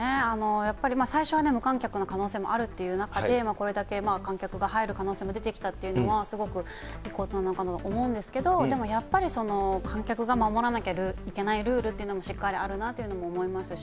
やっぱり、最初は無観客の可能性もあるっていう中で、これだけ観客が入る可能性も出てきたというのは、すごくいいことなのかなって思うんですけれども、でもやっぱり、観客が守らなきゃいけないルールというのもしっかりあるなというのも思いますし。